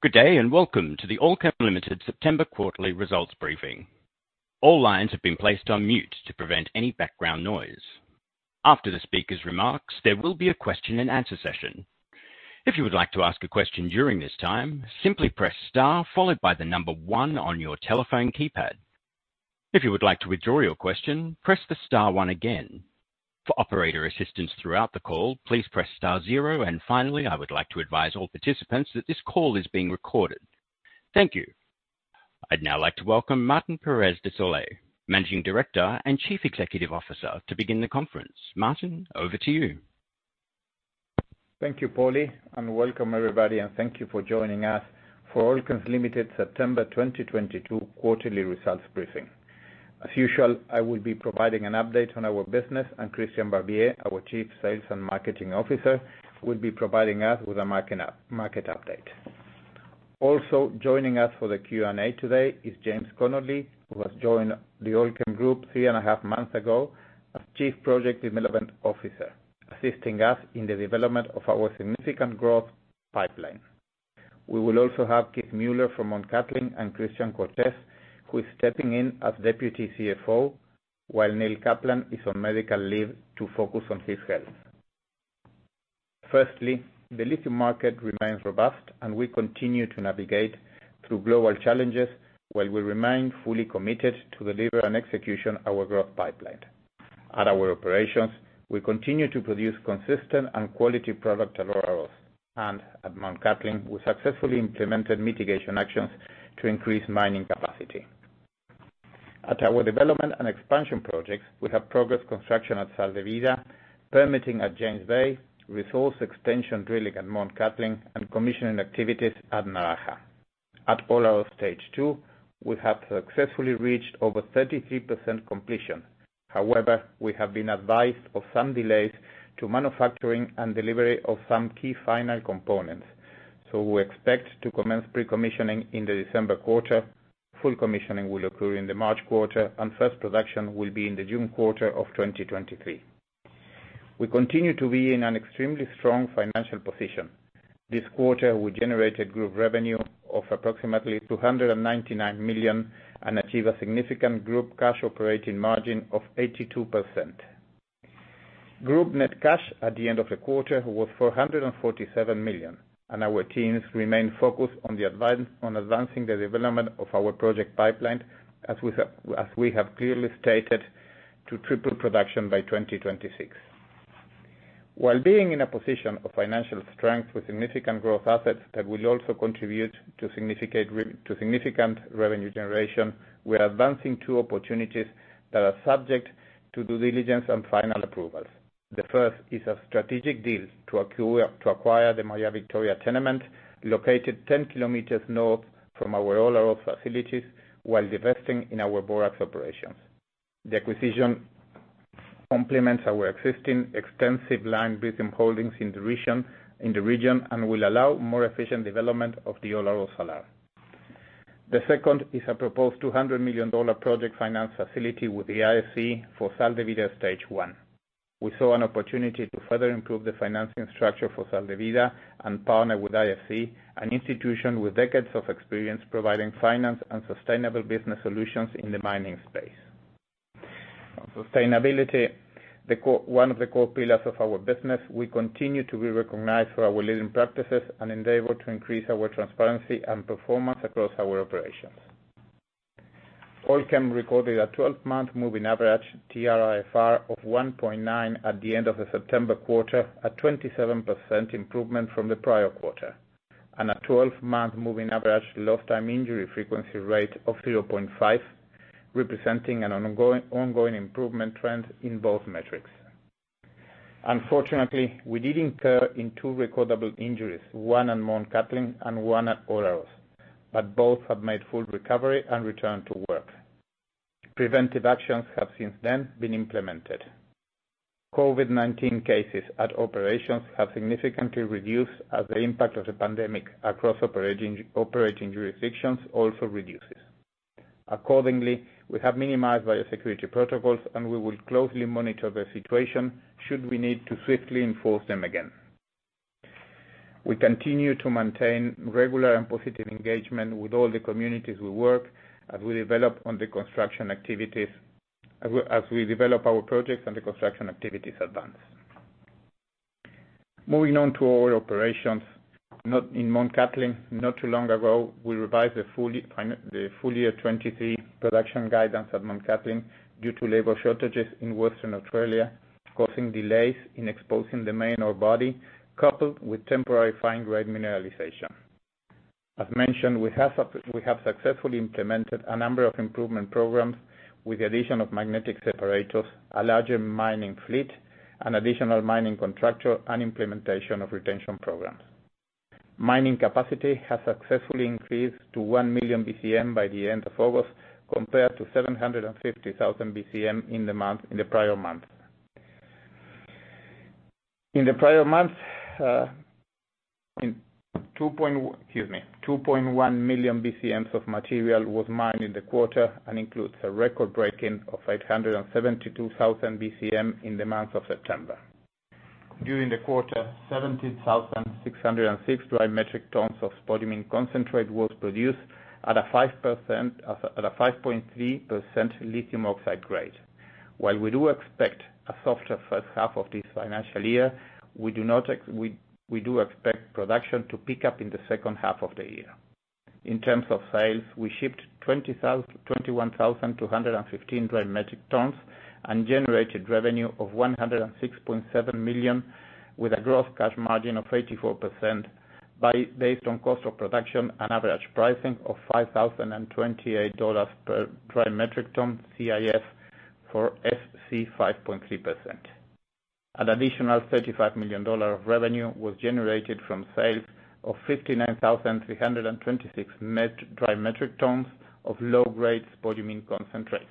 Good day, and welcome to the Allkem Limited September quarterly results briefing. All lines have been placed on mute to prevent any background noise. After the speaker's remarks, there will be a question and answer session. If you would like to ask a question during this time, simply press Star followed by the number one on your telephone keypad. If you would like to withdraw your question, press the Star one again. For operator assistance throughout the call, please press Star zero. Finally, I would like to advise all participants that this call is being recorded. Thank you. I'd now like to welcome Martín Pérez de Solay, Managing Director and Chief Executive Officer, to begin the conference. Martin, over to you. Thank you, Paulie, and welcome, everybody, and thank you for joining us for Allkem Limited September 2022 quarterly results briefing. As usual, I will be providing an update on our business, and Christian Barbier, our Chief Sales and Marketing Officer, will be providing us with a market update. Also joining us for the Q&A today is James Connolly, who has joined the Allkem Group three and a half months ago as Chief Project Development Officer, assisting us in the development of our significant growth pipeline. We will also have Keith Muller from Mt Cattlin and Christian Cortes, who is stepping in as Deputy CFO while Neil Kaplan is on medical leave to focus on his health. Firstly, the lithium market remains robust, and we continue to navigate through global challenges, while we remain fully committed to delivery and execution of our growth pipeline. At our operations, we continue to produce consistent and quality product at Olaroz. At Mt Cattlin, we successfully implemented mitigation actions to increase mining capacity. At our development and expansion projects, we have progressed construction at Sal de Vida, permitting at James Bay, resource extension drilling at Mt Cattlin, and commissioning activities at Naraha. At Olaroz Stage 2, we have successfully reached over 33% completion. However, we have been advised of some delays to manufacturing and delivery of some key final components, so we expect to commence pre-commissioning in the December quarter. Full commissioning will occur in the March quarter, and first production will be in the June quarter of 2023. We continue to be in an extremely strong financial position. This quarter, we generated group revenue of approximately 299 million, and achieve a significant group cash operating margin of 82%. Group net cash at the end of the quarter was 447 million, and our teams remain focused on advancing the development of our project pipeline, as we have clearly stated, to triple production by 2026. While being in a position of financial strength with significant growth assets that will also contribute to significant revenue generation, we are advancing two opportunities that are subject to due diligence and final approvals. The first is a strategic deal to acquire the Maria Victoria tenement located 10 km north from our Olaroz facilities while divesting in our Borax operations. The acquisition complements our existing extensive lithium holdings in the region and will allow more efficient development of the Olaroz salar. The second is a proposed $200 million project finance facility with the IFC for Sal de Vida Stage 1. We saw an opportunity to further improve the financing structure for Sal de Vida and partner with IFC, an institution with decades of experience providing finance and sustainable business solutions in the mining space. Sustainability, one of the core pillars of our business, we continue to be recognized for our leading practices and endeavor to increase our transparency and performance across our operations. Allkem recorded a 12-month moving average TRIFR of 1.9 at the end of the September quarter, a 27% improvement from the prior quarter, and a 12-month moving average lost time injury frequency rate of 0.5, representing an ongoing improvement trend in both metrics. Unfortunately, we did incur two recordable injuries, one at Mt Cattlin and one at Olaroz, but both have made full recovery and returned to work. Preventive actions have since then been implemented. COVID-19 cases at operations have significantly reduced as the impact of the pandemic across operating jurisdictions also reduces. Accordingly, we have minimized biosecurity protocols, and we will closely monitor the situation should we need to swiftly enforce them again. We continue to maintain regular and positive engagement with all the communities we work with as we develop our projects and the construction activities advance. Moving on to our operations in Mt Cattlin, not too long ago, we revised the full year 2023 production guidance at Mt Cattlin due to labor shortages in Western Australia, causing delays in exposing the main ore body coupled with temporary fine-grained mineralization. As mentioned, we have successfully implemented a number of improvement programs with the addition of magnetic separators, a larger mining fleet, and additional mining contractor, and implementation of retention programs. Mining capacity has successfully increased to 1 million BCM by the end of August, compared to 750,000 BCM in the prior month. In the prior month, in 2.1. Excuse me, 2.1 million BCMs of material was mined in the quarter and includes a record-breaking 872,000 BCM in the month of September. During the quarter, 70,606 dry metric tons of spodumene concentrate was produced at a 5.3% lithium oxide grade. While we do expect a softer first half of this financial year, we do expect production to pick up in the second half of the year. In terms of sales, we shipped 21,215 dry metric tons, and generated revenue of 106.7 million, with a gross cash margin of 84% based on cost of production and average pricing of 5,028 dollars per dry metric ton CIF for SC 5.3%. An additional AUD 35 million of revenue was generated from sales of 59,326 dry metric tons of low-grade spodumene concentrate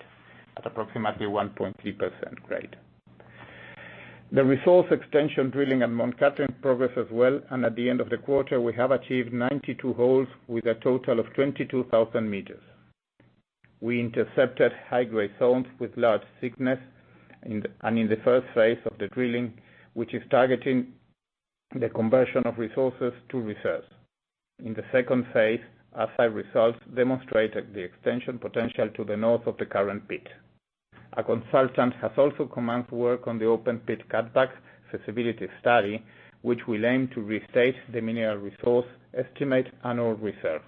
at approximately 1.3% grade. The resource extension drilling at Mt Cattlin progressed as well, and at the end of the quarter, we have achieved 92 holes with a total of 22,000 m. We intercepted high-grade zones with large thickness in the first phase of the drilling, which is targeting the conversion of resources to reserves. In the second phase, assay results demonstrated the extension potential to the north of the current pit. A consultant has also commenced work on the open pit cutback feasibility study, which will aim to restate the mineral resource estimate and ore reserve.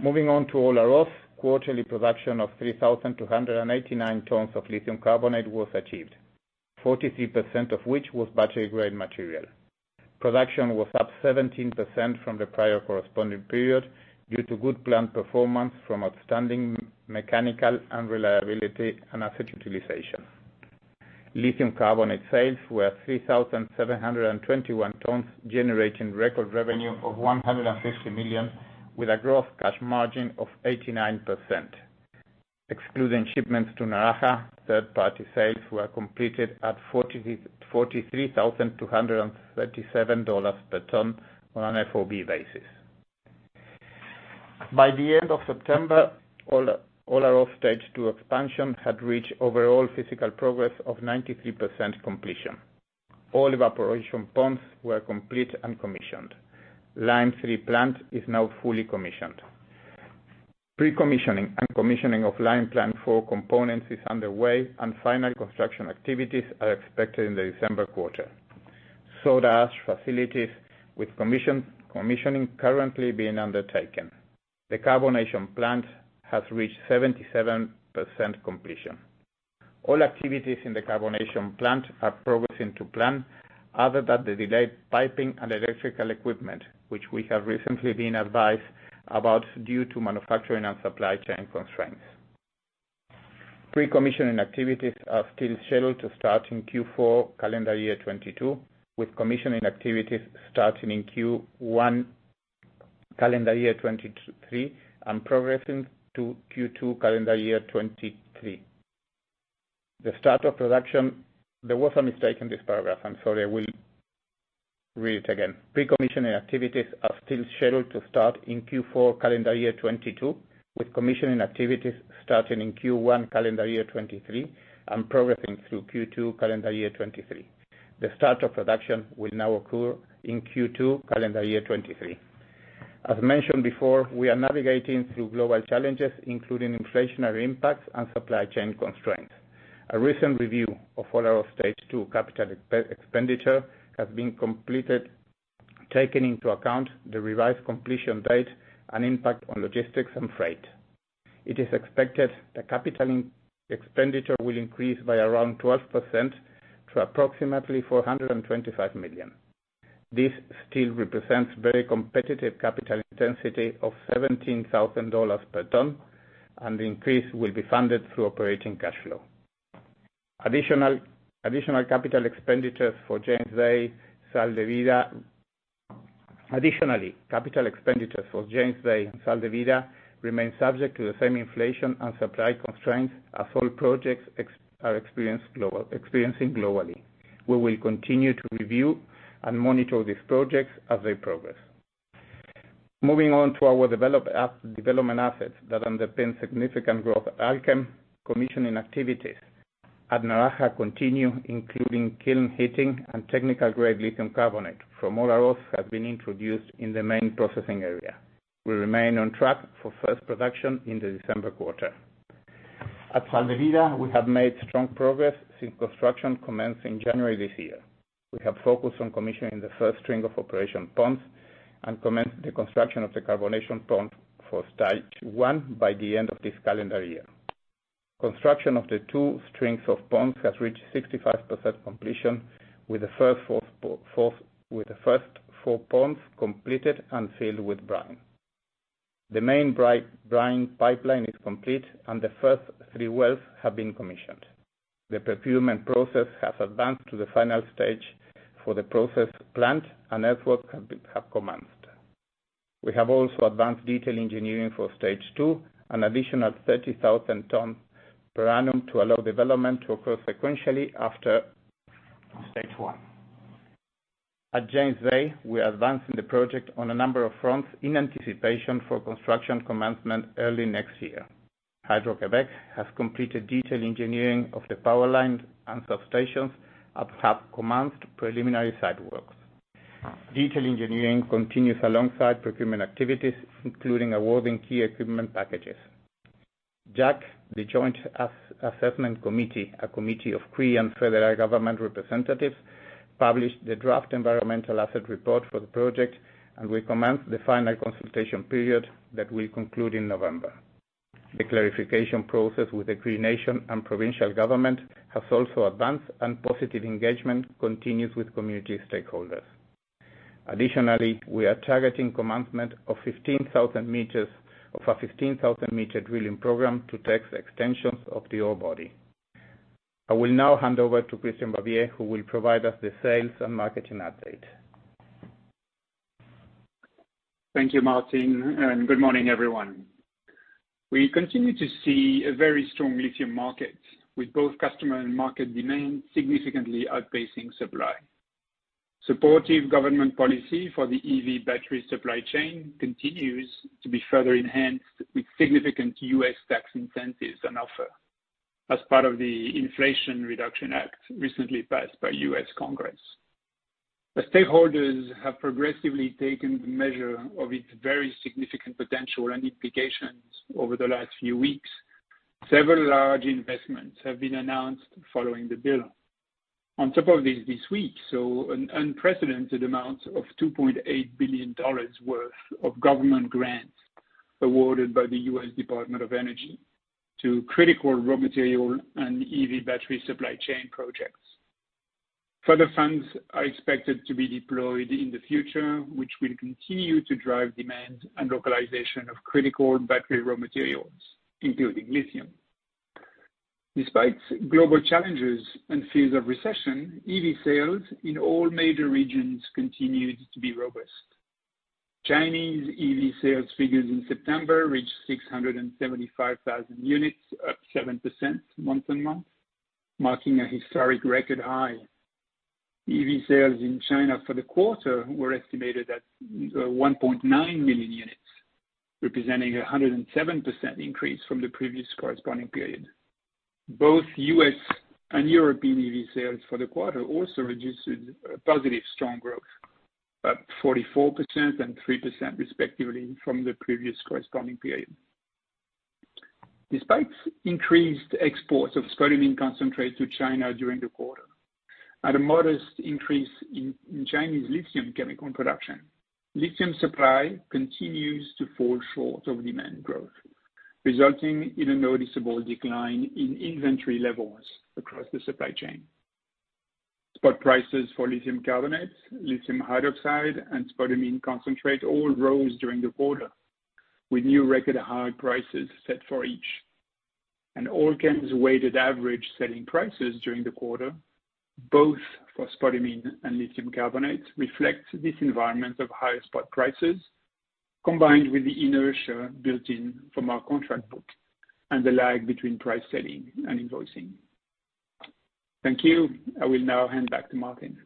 Moving on to Olaroz, quarterly production of 3,289 tons of Lithium carbonate was achieved, 43% of which was battery-grade material. Production was up 17% from the prior corresponding period due to good plant performance from outstanding mechanical and reliability and asset utilization. Lithium carbonate sales were 3,721 tons, generating record revenue of 150 million with a gross cash margin of 89%. Excluding shipments to Naraha, third party sales were completed at $43,237 per ton on an FOB basis. By the end of September, Olaroz Stage 2 expansion had reached overall physical progress of 93% completion. All evaporation ponds were complete and commissioned. Line 3 plant is now fully commissioned. Pre-commissioning and commissioning of Line 4 plant components is underway, and final construction activities are expected in the December quarter. Soda ash facilities' commissioning currently being undertaken. The carbonation plant has reached 77% completion. All activities in the carbonation plant are progressing to plan, other than the delayed piping and electrical equipment, which we have recently been advised about due to manufacturing and supply chain constraints. Pre-commissioning activities are still scheduled to start in Q4 calendar year 2022, with commissioning activities starting in Q1 calendar year 2023 and progressing to Q2 calendar year 2023. The start of production. There was a mistake in this paragraph, I'm sorry. We'll read it again. Pre-commissioning activities are still scheduled to start in Q4 calendar year 2022, with commissioning activities starting in Q1 calendar year 2023 and progressing through Q2 calendar year 2023. The start of production will now occur in Q2 calendar year 2023. As mentioned before, we are navigating through global challenges, including inflationary impacts and supply chain constraints. A recent review of Olaroz Stage 2 capital expenditure has been completed, taking into account the revised completion date and impact on logistics and freight. It is expected the capital expenditure will increase by around 12% to approximately 425 million. This still represents very competitive capital intensity of 17,000 dollars per ton, and the increase will be funded through operating cash flow. Additionally, capital expenditures for James Bay and Sal de Vida remain subject to the same inflation and supply constraints as all projects experiencing globally. We will continue to review and monitor these projects as they progress. Moving on to our development assets that underpin significant growth. Allkem's commissioning activities at Naraha continue, including kiln heating, and technical-grade Lithium carbonate from Olaroz has been introduced in the main processing area. We remain on track for first production in the December quarter. At Sal de Vida, we have made strong progress since construction commenced in January this year. We have focused on commissioning the first string of operation ponds and commenced the construction of the carbonation pond for stage one by the end of this calendar year. Construction of the two strings of ponds has reached 65% completion, with the first four ponds completed and filled with brine. The main brine pipeline is complete, and the first three wells have been commissioned. The procurement process has advanced to the final stage for the process plant, and earthworks have commenced. We have also advanced detailed engineering for stage two, an additional 30,000 tons per annum to allow development to occur sequentially after stage one. At James Bay, we are advancing the project on a number of fronts in anticipation for construction commencement early next year. Hydro-Québec has completed detailed engineering of the power lines and substations and have commenced preliminary site works. Detailed engineering continues alongside procurement activities, including awarding key equipment packages. JAC, the Joint Assessment Committee, a committee of Cree Nation and federal government representatives, published the draft environmental assessment report for the project and will commence the final consultation period that will conclude in November. The clarification process with the Cree Nation and provincial government has also advanced, and positive engagement continues with community stakeholders. Additionally, we are targeting commencement of a 15,000 m drilling program to test extensions of the ore body. I will now hand over to Christian Barbier, who will provide us the sales and marketing update. Thank you, Martín, and good morning, everyone. We continue to see a very strong lithium market, with both customer and market demand significantly outpacing supply. Supportive government policy for the EV battery supply chain continues to be further enhanced with significant U.S. tax incentives on offer as part of the Inflation Reduction Act recently passed by U.S. Congress. The stakeholders have progressively taken measure of its very significant potential and implications over the last few weeks. Several large investments have been announced following the bill. On top of this week, an unprecedented amount of $2.8 billion worth of government grants awarded by the U.S. Department of Energy to critical raw material and EV battery supply chain projects. Further funds are expected to be deployed in the future, which will continue to drive demand and localization of critical battery raw materials, including lithium. Despite global challenges and fears of recession, EV sales in all major regions continued to be robust. Chinese EV sales figures in September reached 675,000 units, up 7% month-on-month, marking a historic record high. EV sales in China for the quarter were estimated at one point nine million units, representing a 107% increase from the previous corresponding period. Both U.S. and European EV sales for the quarter also registered a positive strong growth, up 44% and 3% respectively from the previous corresponding period. Despite increased exports of spodumene concentrate to China during the quarter, at a modest increase in Chinese lithium chemical production, lithium supply continues to fall short of demand growth, resulting in a noticeable decline in inventory levels across the supply chain. Spot prices for lithium carbonate, lithium hydroxide, and spodumene concentrate all rose during the quarter, with new record high prices set for each. Allkem's weighted average selling prices during the quarter, both for spodumene and lithium carbonate, reflect this environment of higher spot prices, combined with the inertia built in from our contract book and the lag between price setting and invoicing. Thank you. I will now hand back to Martín.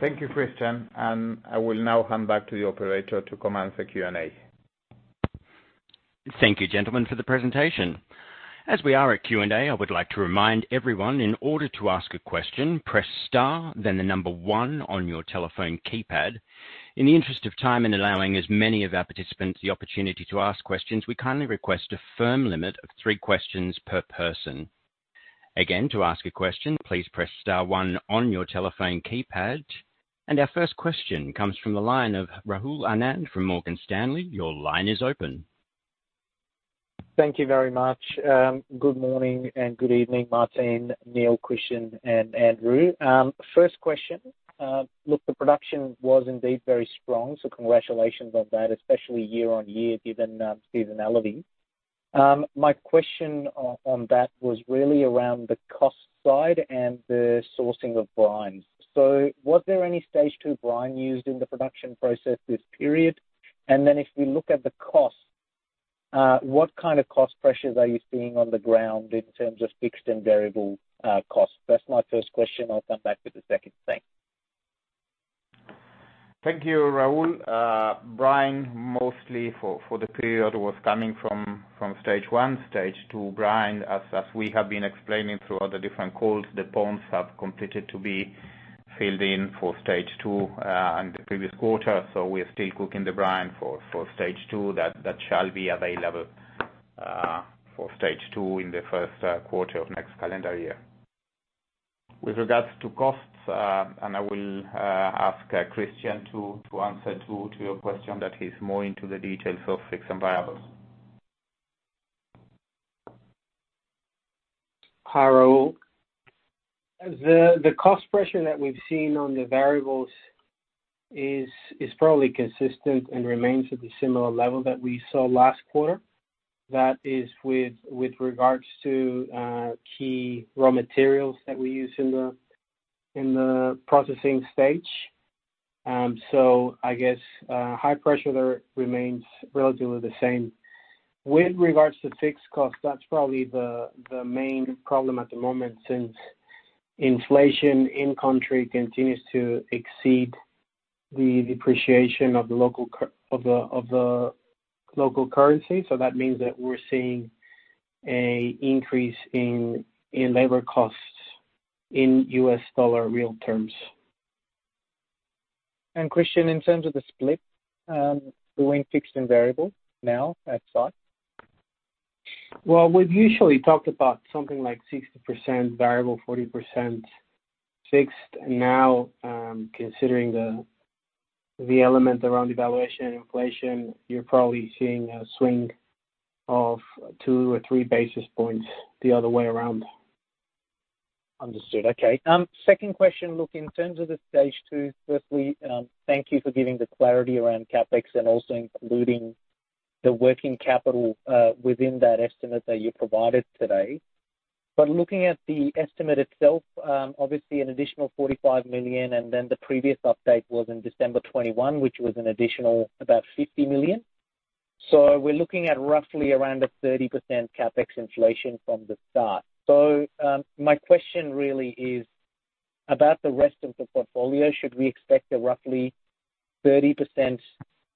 Thank you, Christian, and I will now hand back to the operator to commence the Q&A. Thank you, gentlemen, for the presentation. As we are at Q&A, I would like to remind everyone in order to ask a question, press star then the number one on your telephone keypad. In the interest of time and allowing as many of our participants the opportunity to ask questions, we kindly request a firm limit of three questions per person. Again, to ask a question, please press star one on your telephone keypad. Our first question comes from the line of Rahul Anand from Morgan Stanley. Your line is open. Thank you very much. Good morning and good evening, Martín, Neil, Christian, and Andrew. First question. Look, the production was indeed very strong, so congratulations on that, especially year-on-year, given seasonality. My question on that was really around the cost side and the sourcing of brine. Was there any stage two brine used in the production process this period? And then if we look at the cost, what kind of cost pressures are you seeing on the ground in terms of fixed and variable costs? That's my first question. I'll come back with the second. Thanks. Thank you, Rahul. Brine mostly for the period was coming from stage one. Stage two brine, as we have been explaining throughout the different calls, the ponds have completed to be filled in for stage two in the previous quarter. We are still cooking the brine for stage two. That shall be available for stage two in the first quarter of next calendar year. With regards to costs, and I will ask Christian to answer to your question, that he's more into the details of fixed and variables. Hi, Rahul. The cost pressure that we've seen on the variables is fairly consistent and remains at the similar level that we saw last quarter. That is with regards to key raw materials that we use in the processing stage. I guess high pressure there remains relatively the same. With regards to fixed costs, that's probably the main problem at the moment, since inflation in country continues to exceed the depreciation of the local currency. That means that we're seeing an increase in labor costs in US dollar real terms. Christian, in terms of the split, between fixed and variable now at site. Well, we've usually talked about something like 60% variable, 40% fixed. Now, considering the element around devaluation and inflation, you're probably seeing a swing of two or three basis points the other way around. Understood. Okay. Second question. Look, in terms of the Stage 2, firstly, thank you for giving the clarity around CapEx and also including the working capital within that estimate that you provided today. Looking at the estimate itself, obviously an additional 45 million, and then the previous update was in December 2021, which was an additional about 50 million. We're looking at roughly around a 30% CapEx inflation from the start. My question really is about the rest of the portfolio. Should we expect a roughly 30%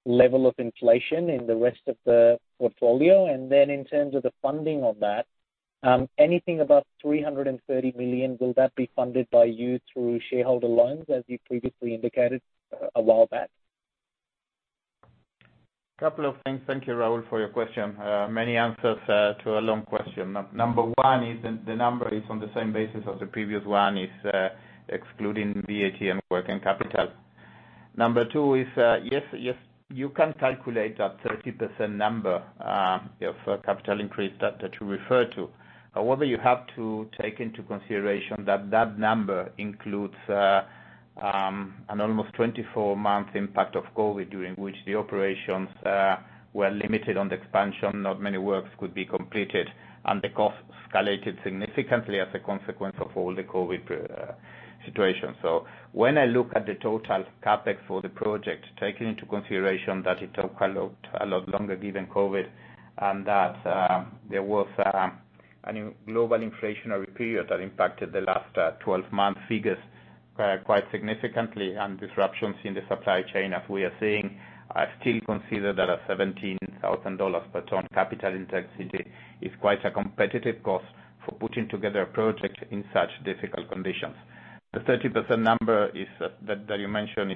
level of inflation in the rest of the portfolio? In terms of the funding of that, anything above 330 million, will that be funded by you through shareholder loans, as you previously indicated a while back? Couple of things. Thank you, Rahul, for your question. Many answers to a long question. Number one is the number on the same basis as the previous one, excluding VAT and working capital. Number two is yes, you can calculate that 30% number of capital increase that you refer to. However, you have to take into consideration that that number includes an almost 24-month impact of COVID, during which the operations were limited on the expansion, not many works could be completed, and the costs escalated significantly as a consequence of all the COVID situation. When I look at the total CapEx for the project, taking into consideration that it took a lot longer given COVID and that there was a new global inflationary period that impacted the last 12-month figures quite significantly and disruptions in the supply chain as we are seeing. I still consider that a $17,000 per ton capital intensity is quite a competitive cost for putting together a project in such difficult conditions. The 30% number that you mentioned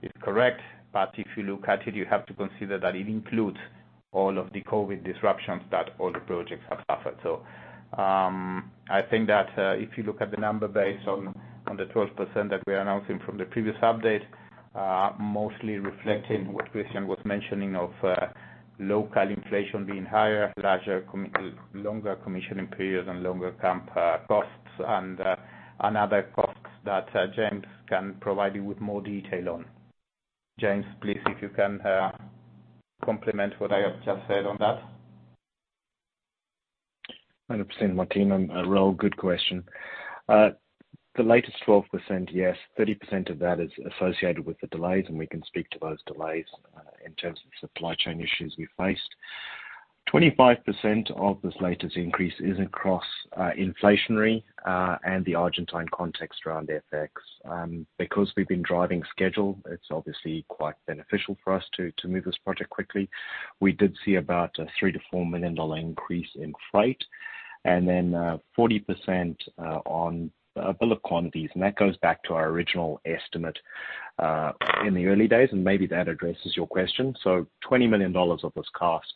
is correct, but if you look at it, you have to consider that it includes all of the COVID disruptions that all the projects have suffered. I think that if you look at the number based on the 12% that we are announcing from the previous update, mostly reflecting what Christian was mentioning of local inflation being higher, larger, longer commissioning periods and longer camp costs and other costs that James can provide you with more detail on. James, please, if you can complement what I have just said on that. 100%, Martín. Rahul, good question. The latest 12%, yes, 30% of that is associated with the delays, and we can speak to those delays in terms of supply chain issues we faced. 25% of this latest increase is across inflationary and the Argentine context around FX. Because we've been driving schedule, it's obviously quite beneficial for us to move this project quickly. We did see about an 3-4 million dollar increase in freight and then 40% on bill of quantities. That goes back to our original estimate in the early days, and maybe that addresses your question. 20 million dollars of this cost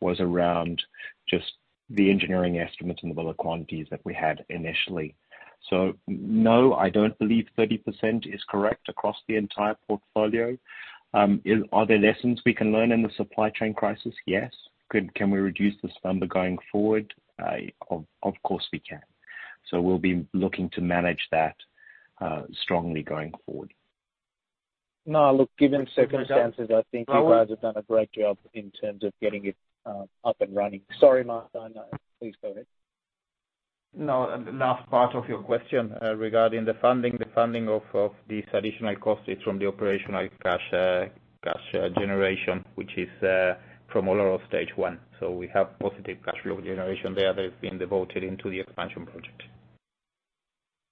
was around just the engineering estimates and the bill of quantities that we had initially. No, I don't believe 30% is correct across the entire portfolio. Are there lessons we can learn in the supply chain crisis? Yes. Can we reduce this number going forward? Of course we can. We'll be looking to manage that strongly going forward. No, look, given circumstances. Rahul? I think you guys have done a great job in terms of getting it up and running. Sorry, Martín. Please go ahead. No, the last part of your question, regarding the funding. The funding of these additional costs is from the operational cash generation, which is from all of stage one. We have positive cash flow generation there that has been devoted into the expansion project.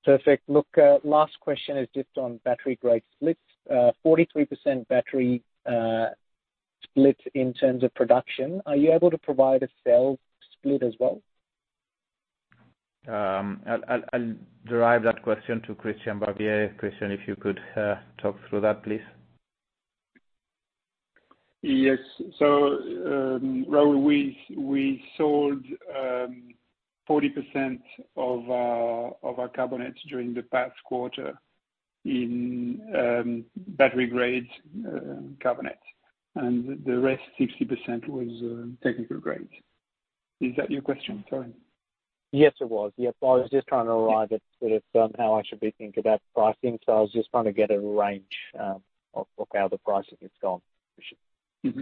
Perfect. Look, last question is just on battery-grade splits. 43% battery-grade split in terms of production. Are you able to provide a sales split as well? I'll defer that question to Christian Barbier. Christian, if you could, talk through that, please. Yes, Rahul, we sold 40% of our carbonate during the past quarter in battery-grade carbonate. The rest 60% was technical grade. Is that your question? Sorry. Yes, it was. Yes. I was just trying to arrive at sort of how I should be thinking about pricing. I was just trying to get a range of how the pricing is going. Appreciate it. Mm-hmm.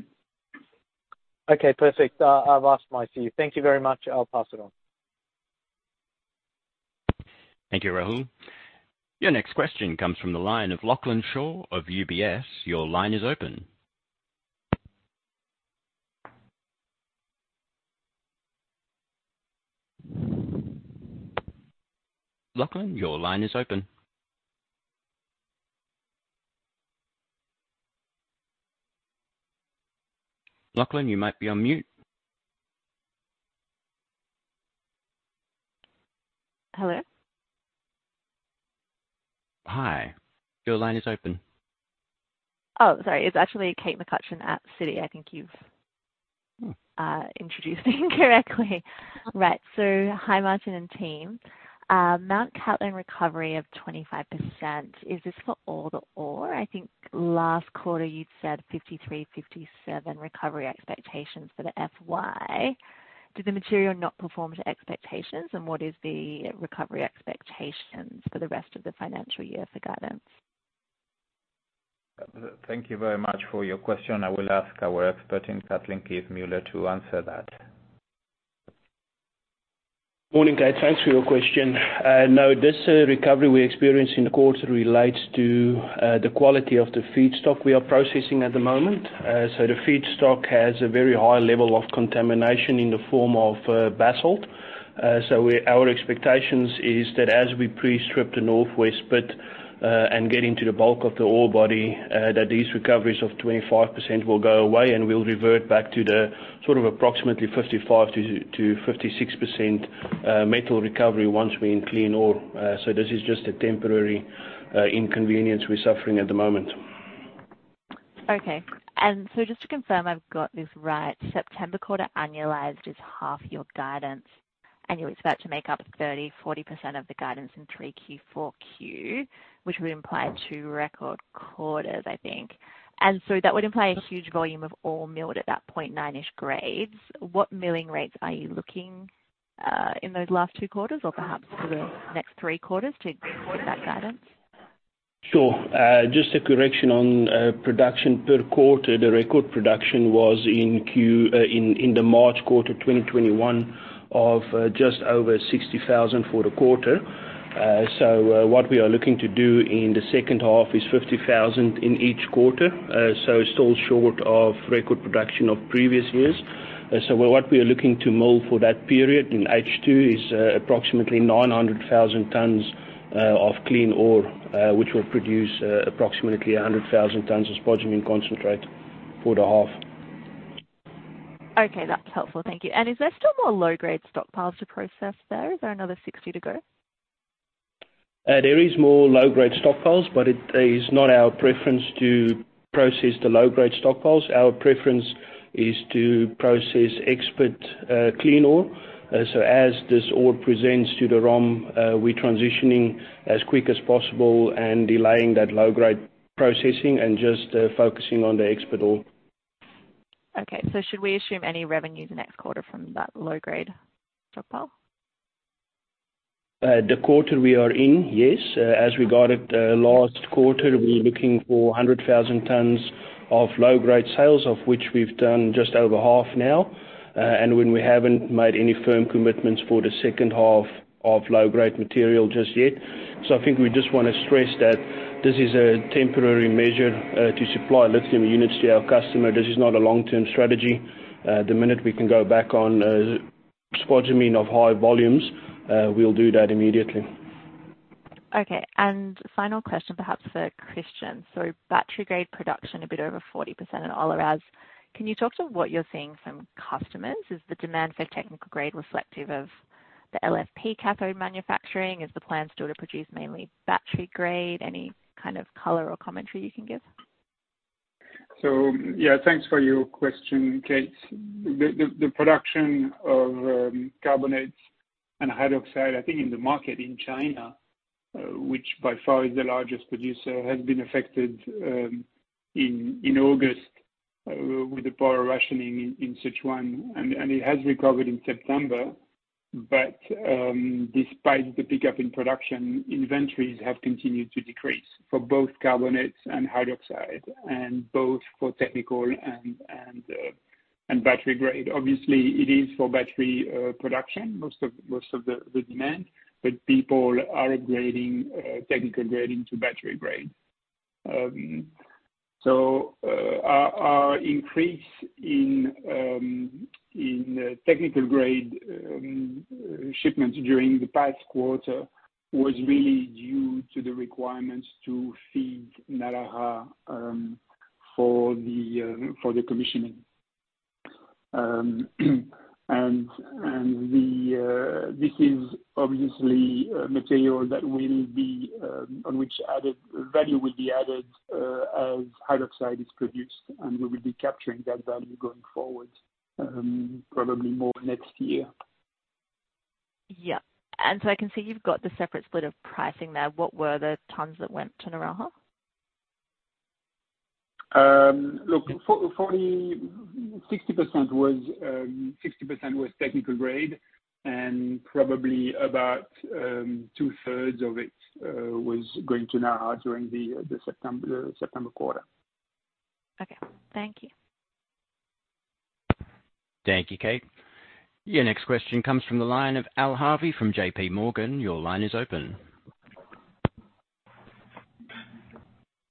Okay, perfect. I've asked my C. Thank you very much. I'll pass it on. Thank you, Rahul. Your next question comes from the line of Lachlan Shaw of UBS. Your line is open. Lachlan, your line is open. Lachlan, you might be on mute. Hello. Hi. Your line is open. Sorry. It's actually Kate McCutcheon at Citi. I think you've- Hmm. Introduced me incorrectly. Right. Hi, Martín and team. Mt Cattlin recovery of 25%, is this for all the ore? I think last quarter you'd said 53%, 57% recovery expectations for the FY. Did the material not perform to expectations, and what is the recovery expectations for the rest of the financial year for guidance? Thank you very much for your question. I will ask our expert in Mt Cattlin, Keith Muller, to answer that. Morning, Kate. Thanks for your question. No, this recovery we experienced in the quarter relates to the quality of the feedstock we are processing at the moment. The feedstock has a very high level of contamination in the form of basalt. Our expectations is that as we pre-strip the northwest pit and get into the bulk of the ore body, that these recoveries of 25% will go away and will revert back to the sort of approximately 55%-56% metal recovery once we're in clean ore. This is just a temporary inconvenience we're suffering at the moment. Okay. Just to confirm I've got this right, September quarter annualized is half your guidance, and it's about to make up 30%, 40% of the guidance in 3Q, 4Q, which would imply two record quarters, I think. That would imply a huge volume of ore milled at that 0.9-ish grades. What milling rates are you looking in those last two quarters or perhaps for the next three quarters to hit that guidance? Sure. Just a correction on production per quarter. The record production was in the March quarter, 2021 of just over 60,000 for the quarter. What we are looking to do in the second half is 50,000 in each quarter. Still short of record production of previous years. What we are looking to mill for that period in H2 is approximately 900,000 tons of clean ore, which will produce approximately 100,000 tons of spodumene concentrate for the half. Okay, that's helpful. Thank you. Is there still more low-grade stockpiles to process there? Is there another 60 to go? There is more low-grade stockpiles, but it is not our preference to process the low-grade stockpiles. Our preference is to process ex-pit, clean ore. As this ore presents to the ROM, we transitioning as quick as possible and delaying that low-grade processing and just focusing on the ex-pit ore. Okay. Should we assume any revenues next quarter from that low-grade stockpile? The quarter we are in, yes. As regards to last quarter, we're looking for 100,000 tons of low-grade sales, of which we've done just over half now. When we haven't made any firm commitments for the second half of low-grade material just yet. I think we just wanna stress that this is a temporary measure to supply lithium units to our customer. This is not a long-term strategy. The minute we can go back on spodumene of high volumes, we'll do that immediately. Okay. Final question, perhaps for Christian. Battery grade production a bit over 40% at Olaroz. Can you talk to what you're seeing from customers? Is the demand for technical grade reflective of the LFP cathode manufacturing? Is the plan still to produce mainly battery grade? Any kind of color or commentary you can give? Yeah. Thanks for your question, Kate. The production of carbonates and hydroxide, I think in the market in China, which by far is the largest producer, has been affected in August with the power rationing in Sichuan. It has recovered in September. Despite the pickup in production, inventories have continued to decrease for both carbonates and hydroxide, and both for technical and battery grade. Obviously, it is for battery production, most of the demand, but people are upgrading technical grade into battery grade. Our increase in technical grade shipments during the past quarter was really due to the requirements to feed Naraha for the commissioning. This is obviously material that will be On which added value will be added, as hydroxide is produced, and we will be capturing that value going forward, probably more next year. Yeah. I can see you've got the separate split of pricing there. What were the tons that went to Naraha? Look, for the 60% was technical grade, and probably about two-thirds of it was going to Naraha during the September quarter. Okay. Thank you. Thank you, Kate. Your next question comes from the line of Alistair Harvey from JP Morgan. Your line is open.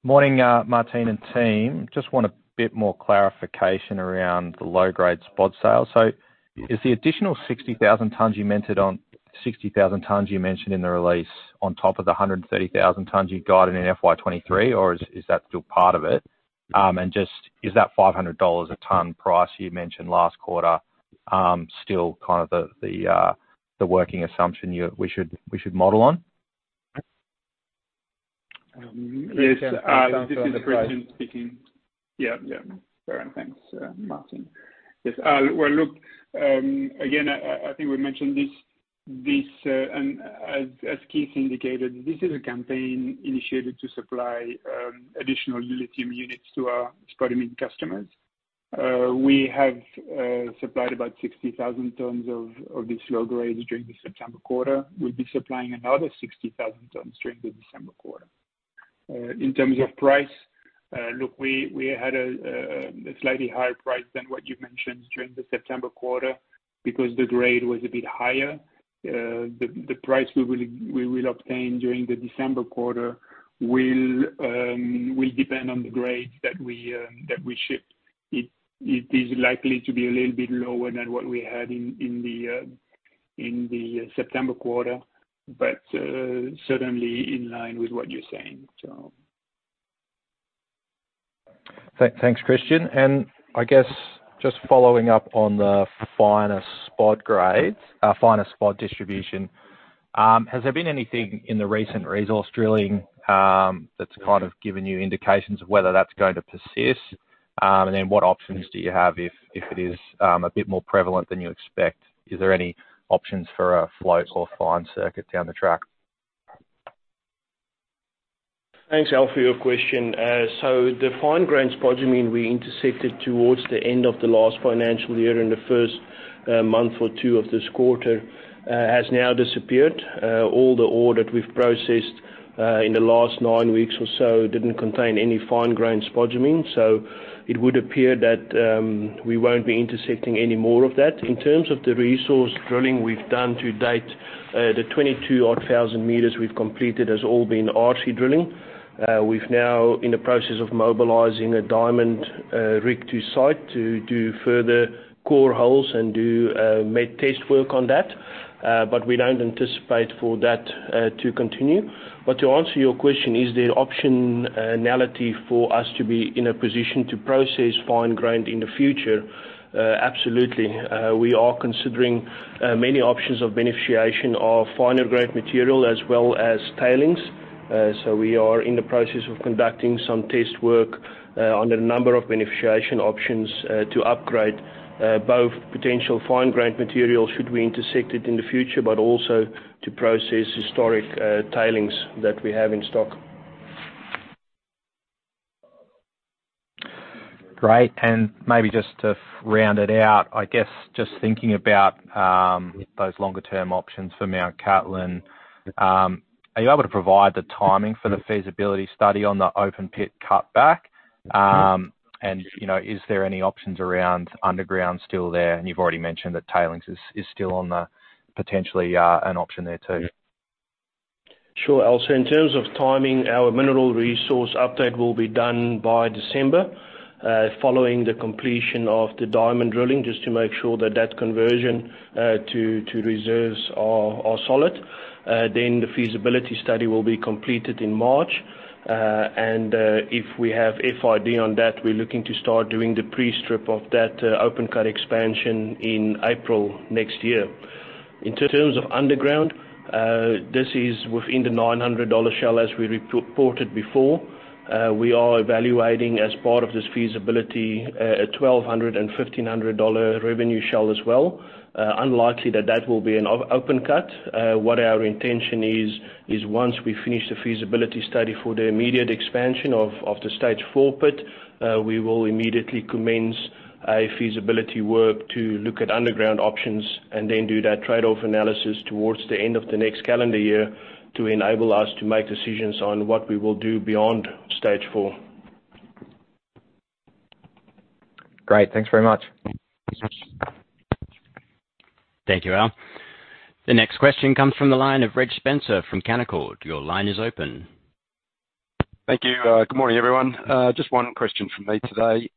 Morning, Martin and team. Just want a bit more clarification around the low-grade spod sales. Is the additional 60,000 tons you mentioned in the release on top of the 130,000 tons you guided in FY 2023, or is that still part of it? And just is that $500 a ton price you mentioned last quarter still kind of the working assumption we should model on? Yes, this is Christian speaking. Yeah. Yeah. Sorry. Thanks, Martín. Yes. Well, look, again, I think we mentioned this, and as Keith indicated, this is a campaign initiated to supply additional lithium units to our spodumene customers. We have supplied about 60,000 tons of this low grade during the September quarter. We'll be supplying another 60,000 tons during the December quarter. In terms of price, look, we had a slightly higher price than what you mentioned during the September quarter because the grade was a bit higher. The price we will obtain during the December quarter will depend on the grades that we ship. It is likely to be a little bit lower than what we had in the September quarter, but certainly in line with what you're saying. Thanks, Christian. I guess just following up on the finer spod grades, finer spod distribution, has there been anything in the recent resource drilling that's kind of given you indications of whether that's going to persist? Then what options do you have if it is a bit more prevalent than you expect? Is there any options for a float or fine circuit down the track? Thanks, Al, for your question. The fine grain spodumene we intersected towards the end of the last financial year in the first month or two of this quarter has now disappeared. All the ore that we've processed in the last 9 weeks or so didn't contain any fine grain spodumene. It would appear that we won't be intersecting any more of that. In terms of the resource drilling we've done to date, the 22,000-odd meters we've completed has all been RC drilling. We've now in the process of mobilizing a diamond rig to site to do further core holes and do met test work on that, but we don't anticipate for that to continue. To answer your question, is there an option or ability for us to be in a position to process fine grain in the future? Absolutely. We are considering many options of beneficiation of finer grain material as well as tailings. We are in the process of conducting some test work on the number of beneficiation options to upgrade both potential fine grain material should we intersect it in the future, but also to process historic tailings that we have in stock. Great. Maybe just to round it out, I guess just thinking about those longer term options for Mt Cattlin, are you able to provide the timing for the feasibility study on the open pit cut back? You know, is there any options around underground still there? You've already mentioned that tailings is still on the potentially an option there too. Sure, Al. In terms of timing, our mineral resource update will be done by December following the completion of the diamond drilling, just to make sure that conversion to reserves are solid. The feasibility study will be completed in March. If we have FID on that, we're looking to start doing the pre-strip of that open cut expansion in April next year. In terms of underground, this is within the $900 shell as we reported before. We are evaluating as part of this feasibility a $1,200- and $1,500-dollar revenue shell as well. Unlikely that that will be an open cut. What our intention is once we finish the feasibility study for the immediate expansion of the stage 4 pit, we will immediately commence a feasibility work to look at underground options and then do that trade-off analysis towards the end of the next calendar year to enable us to make decisions on what we will do beyond stage 4. Great. Thanks very much. Thanks much. Thank you, Al. The next question comes from the line of Reg Spencer from Canaccord. Your line is open. Thank you. Good morning, everyone. Just one question from me today.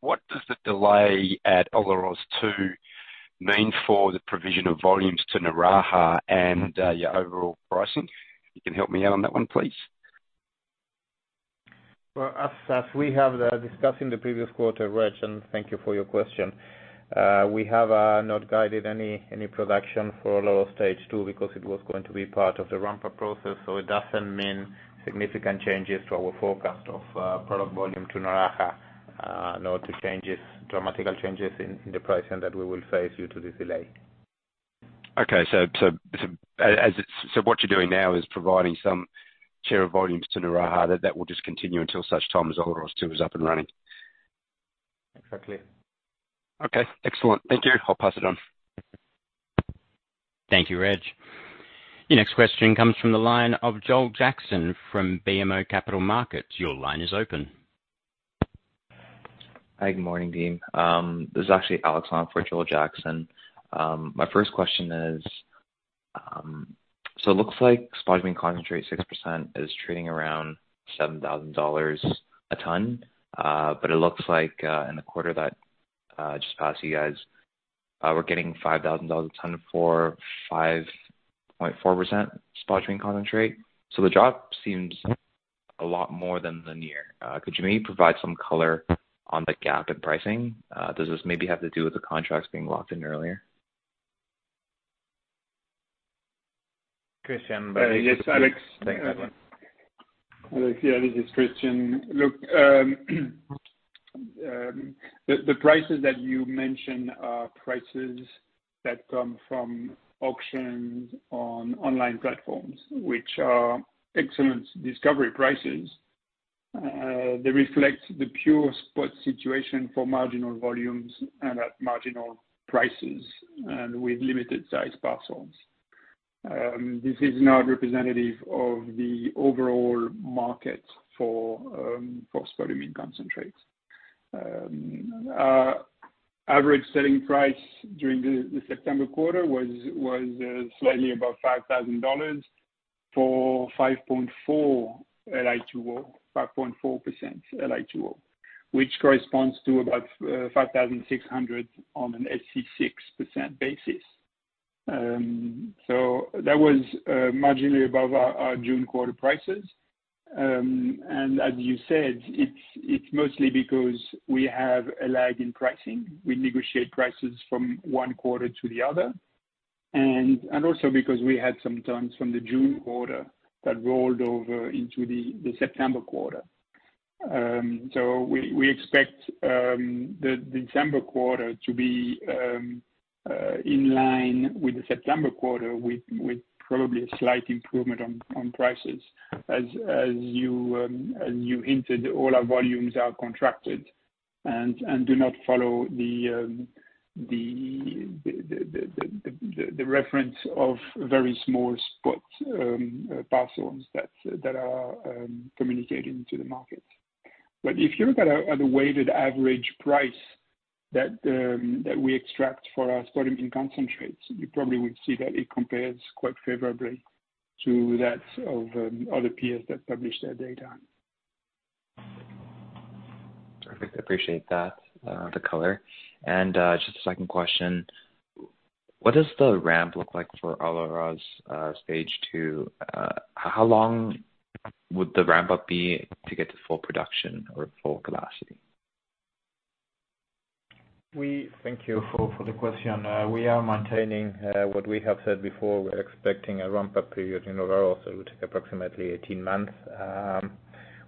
What does the delay at Olaroz 2 mean for the provision of volumes to Naraha and your overall pricing? You can help me out on that one, please? Well, as we have discussed in the previous quarter, Reg, and thank you for your question. We have not guided any production for Olaroz Stage 2 because it was going to be part of the ramp-up process, so it doesn't mean significant changes to our forecast of product volume to Naraha, nor to dramatic changes in the pricing that we will face due to this delay. Okay. What you're doing now is providing some share of volumes to Naraha that will just continue until such time as Olaroz two is up and running. Exactly. Okay, excellent. Thank you. I'll pass it on. Thank you, Reg. Your next question comes from the line of Joel Jackson from BMO Capital Markets. Your line is open. Hi, good morning, team. This is actually Alex Long for Joel Jackson. My first question is, it looks like spodumene concentrate 6% is trading around $7,000 a ton. But it looks like, in the quarter that just passed, you guys were getting $5,000 a ton for 5.4% spodumene concentrate. The drop seems a lot more than linear. Could you maybe provide some color on the gap in pricing? Does this maybe have to do with the contracts being locked in earlier? Christian Yes, Alex. Thanks, everyone. Alex, yeah, this is Christian. Look, the prices that you mentioned are prices that come from auctions on online platforms, which are excellent discovery prices. They reflect the pure spot situation for marginal volumes and at marginal prices and with limited size parcels. This is not representative of the overall market for spodumene concentrates. Average selling price during the September quarter was slightly above $5,000 for 5.4% Li2O, which corresponds to about $5,600 on an SC6 basis. So that was marginally above our June quarter prices. And as you said, it's mostly because we have a lag in pricing. We negotiate prices from one quarter to the other, and also because we had some tons from the June quarter that rolled over into the September quarter. We expect the December quarter to be in line with the September quarter with probably a slight improvement on prices. As you hinted, all our volumes are contracted and do not follow the reference of very small spot parcels that are coming to the market. If you look at the weighted average price that we extract for our spodumene concentrates, you probably would see that it compares quite favorably to that of other peers that publish their data. Perfect. I appreciate that, the color. Just a second question. What does the ramp look like for Olaroz Stage 2? How long would the ramp up be to get to full production or full capacity? Thank you for the question. We are maintaining what we have said before. We're expecting a ramp-up period in Olaroz, so it would take approximately 18 months.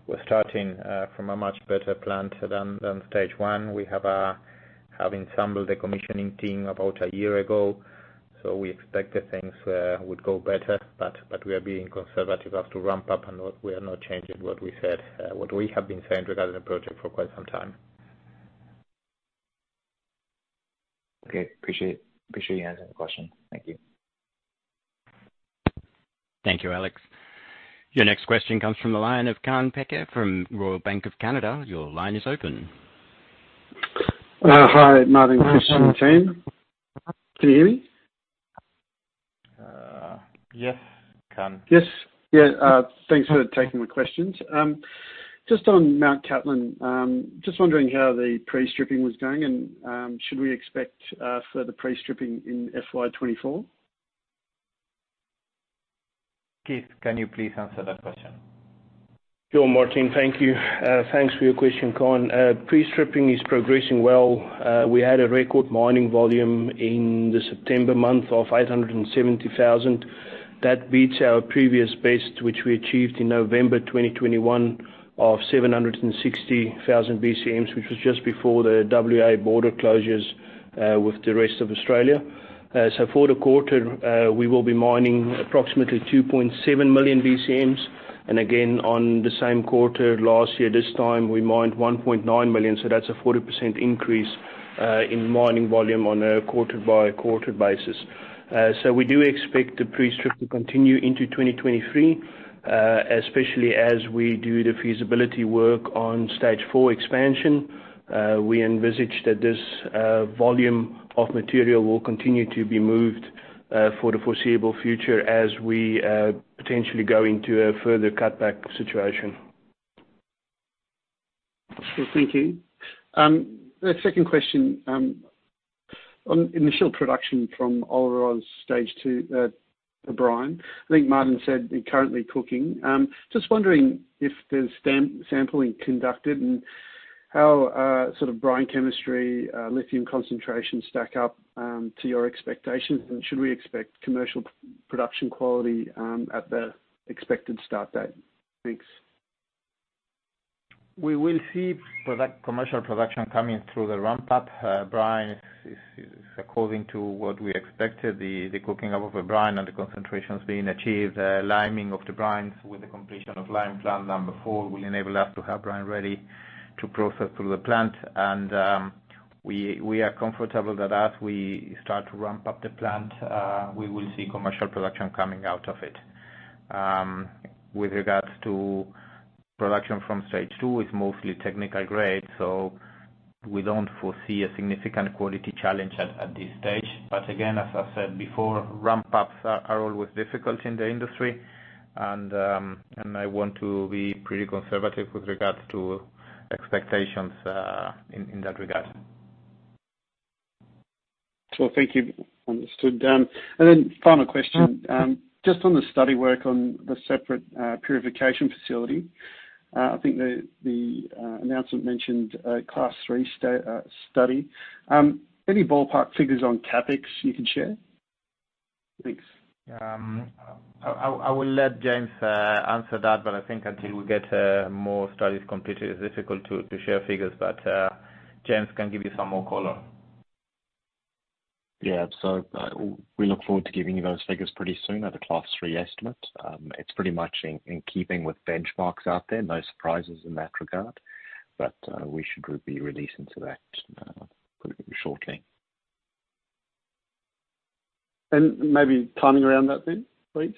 We're starting from a much better plant than stage one. We have assembled a commissioning team about a year ago, so we expected things would go better. We are being conservative as to ramp up and we are not changing what we said, what we have been saying regarding the project for quite some time. Okay. Appreciate you answering the question. Thank you. Thank you, Alex. Your next question comes from the line of Kaan Peker from Royal Bank of Canada. Your line is open. Hi, Martín. Can you hear me? Yes, Kaan. Yes. Yeah, thanks for taking the questions. Just on Mt Cattlin, just wondering how the pre-stripping was going and, should we expect further pre-stripping in FY 2024? Keith, can you please answer that question? Sure, Martín. Thank you. Thanks for your question, Kaan. Pre-stripping is progressing well. We had a record mining volume in the September month of 870,000. That beats our previous best, which we achieved in November 2021 of 760,000 BCMs, which was just before the WA border closures with the rest of Australia. For the quarter, we will be mining approximately 2.7 million BCMs. Again, on the same quarter last year, this time we mined 1.9 million, so that's a 40% increase in mining volume on a quarter-by-quarter basis. We do expect the pre-strip to continue into 2023, especially as we do the feasibility work on stage four expansion. We envisage that this volume of material will continue to be moved for the foreseeable future as we potentially go into a further cutback situation. Thank you. The second question, on initial production from Olaroz Stage 2, the brine. I think Martín said you're currently cooking. Just wondering if there's sampling conducted and how, sort of brine chemistry, lithium concentrations stack up to your expectations. Should we expect commercial production quality at the expected start date? Thanks. We will see product commercial production coming through the ramp-up. Brine is according to what we expected, the cooking of a brine and the concentrations being achieved. Liming of the brines with the completion of lime plant number 4 will enable us to have brine ready to process through the plant. We are comfortable that as we start to ramp up the plant, we will see commercial production coming out of it. With regards to production from Stage 2 is mostly technical grade, so we don't foresee a significant quality challenge at this stage. Again, as I said before, ramp-ups are always difficult in the industry. I want to be pretty conservative with regards to expectations in that regard. Well, thank you. Understood. Final question. Just on the study work on the separate purification facility. I think the announcement mentioned a Class 3 study. Any ballpark figures on CapEx you can share? Thanks. I will let James answer that, but I think until we get more studies completed, it's difficult to share figures. James can give you some more color. We look forward to giving you those figures pretty soon at the Class 3 estimate. It's pretty much in keeping with benchmarks out there. No surprises in that regard. We should be releasing to that shortly. Maybe timing around that then, please?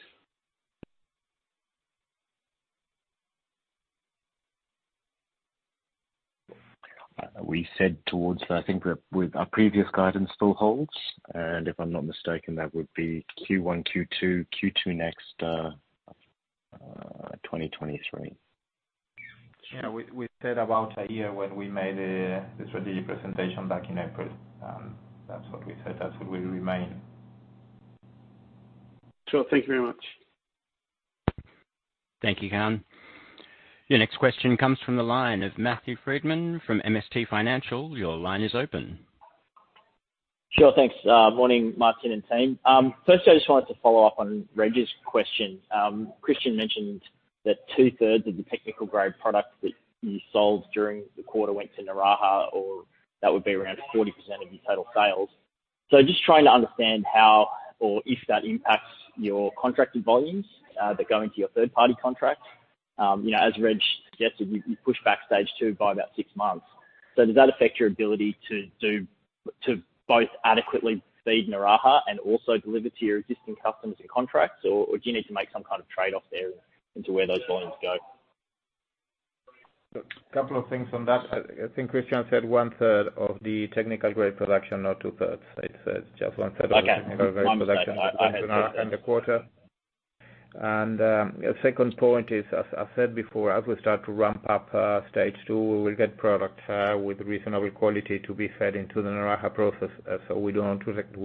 I think we're with our previous guidance still holds, and if I'm not mistaken, that would be Q1, Q2 next, 2023. Yeah. We said about a year when we made the strategy presentation back in April. That's what we said. That will remain. Sure. Thank you very much. Thank you, Kaan. Your next question comes from the line of Matthew Frydman from MST Financial. Your line is open. Sure. Thanks. Morning, Martín and team. Firstly, I just wanted to follow up on Reg's question. Christian mentioned that two-thirds of the technical grade product that you sold during the quarter went to Naraha, or that would be around 40% of your total sales. Just trying to understand how or if that impacts your contracted volumes that go into your third party contracts. You know, as Reg suggested, you pushed back stage two by about six months. Does that affect your ability to both adequately feed Naraha and also deliver to your existing customers and contracts? Or do you need to make some kind of trade-off there into where those volumes go? A couple of things on that. I think Christian said one third of the technical grade production, not two thirds. It's just one third. Okay. My mistake. I misheard that. of the technical grade production in our quarter. Second point is, as I said before, as we start to ramp up stage two, we will get product with reasonable quality to be fed into the Naraha process. So we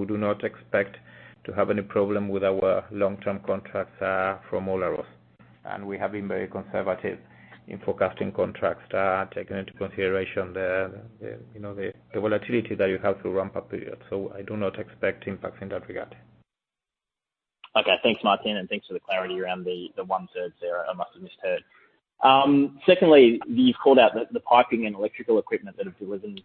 do not expect to have any problem with our long-term contracts from Olaroz. We have been very conservative in forecasting contracts, taking into consideration you know the volatility that you have through ramp up period. I do not expect impacts in that regard. Okay. Thanks, Martín, and thanks for the clarity around the one-third there. I must have misheard. Secondly, you've called out the piping and electrical equipment that have driven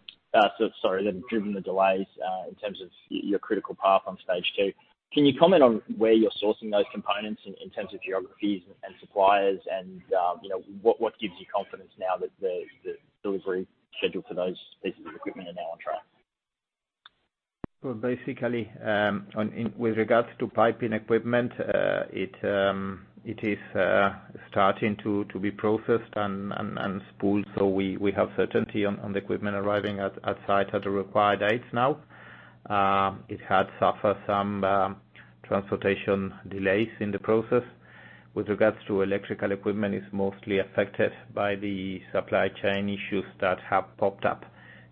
the delays in terms of your critical path on stage two. Can you comment on where you're sourcing those components in terms of geographies and suppliers and, you know, what gives you confidence now that the delivery schedule for those pieces of equipment are now on track? Well, basically, with regards to piping equipment, it is starting to be processed and spooled. We have certainty on the equipment arriving at site at the required dates now. It had suffered some transportation delays in the process. With regards to electrical equipment, it's mostly affected by the supply chain issues that have popped up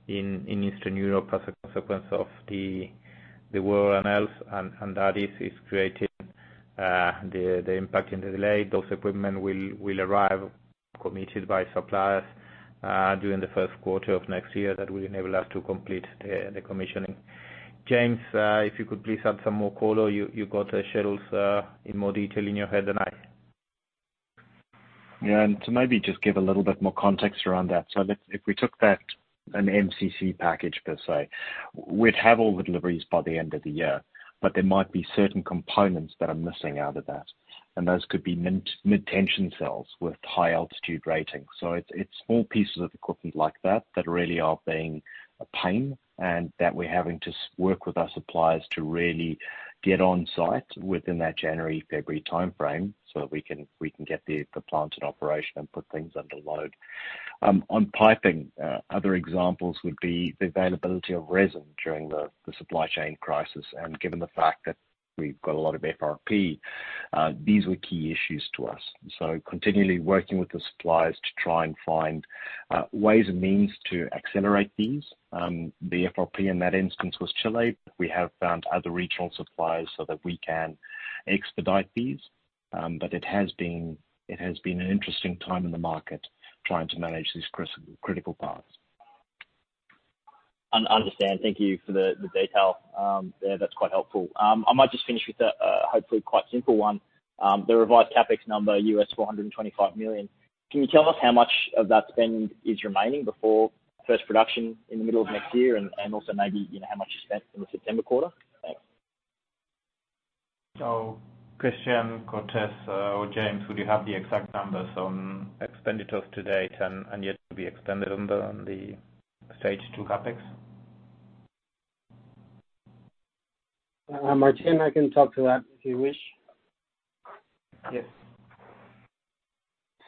in Eastern Europe as a consequence of the war in Europe and that is creating the impact and the delay. Those equipment will arrive committed by suppliers during the first quarter of next year. That will enable us to complete the commissioning. James, if you could please add some more color. You got the schedules in more detail in your head than I. Yeah. To maybe just give a little bit more context around that. If we took that, an MCC package per se, we'd have all the deliveries by the end of the year, but there might be certain components that are missing out of that, and those could be mid tension cells with high altitude ratings. It's small pieces of equipment like that that really are being a pain and that we're having to work with our suppliers to really get on site within that January, February timeframe so that we can get the plant in operation and put things under load. On piping, other examples would be the availability of resin during the supply chain crisis. Given the fact that we've got a lot of FRP, these were key issues to us. Continually working with the suppliers to try and find ways and means to accelerate these. The FRP in that instance was Chile. We have found other regional suppliers so that we can expedite these. It has been an interesting time in the market trying to manage these critical parts. Understand. Thank you for the detail there. That's quite helpful. I might just finish with a hopefully quite simple one. The revised CapEx number, $425 million. Can you tell us how much of that spend is remaining before first production in the middle of next year? Also maybe, you know, how much you spent in the September quarter? Thanks. Christian Cortes, or James, would you have the exact numbers on expenditures to date and yet to be expended on the stage two CapEx? Martín, I can talk to that, if you wish. Yes.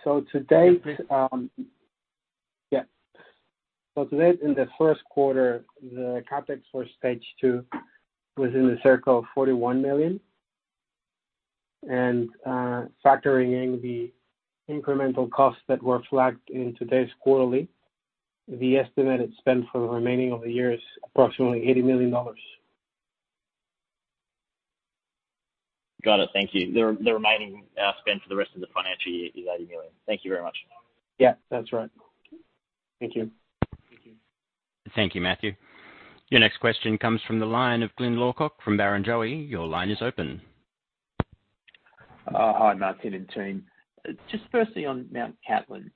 To date, in the first quarter, the CapEx for Stage 2 was in the order of 41 million. Factoring in the incremental costs that were flagged in today's quarterly, the estimated spend for the remainder of the year is approximately 80 million dollars. Got it. Thank you. The remaining spend for the rest of the financial year is 80 million. Thank you very much. Yeah, that's right. Thank you. Thank you. Thank you, Matthew. Your next question comes from the line of Glyn Lawcock from Barrenjoey. Your line is open. Hi, Martín and team. Just firstly on Mt Cattlin,